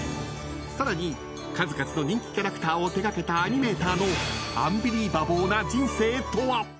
更に、数々の人気キャラクターを手掛けたアニメーターのアンビリバボーな人生とは。